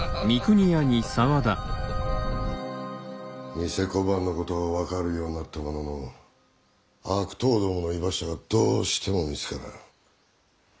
贋小判のことは分かるようになったものの悪党どもの居場所はどうしても見つからん。